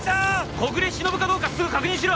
小暮しのぶかどうかすぐ確認しろ！